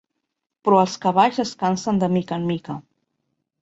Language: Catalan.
Però els cavalls es cansen de mica en mica.